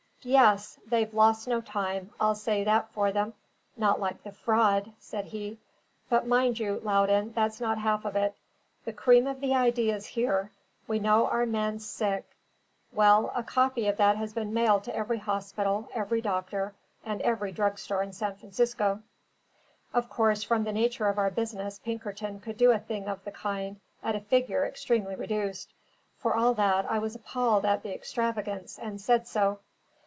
"Yes. They've lost no time; I'll say that for them not like the Fraud," said he. "But mind you, Loudon, that's not half of it. The cream of the idea's here: we know our man's sick; well, a copy of that has been mailed to every hospital, every doctor, and every drug store in San Francisco." Of course, from the nature of our business, Pinkerton could do a thing of the kind at a figure extremely reduced; for all that, I was appalled at the extravagance, and said so.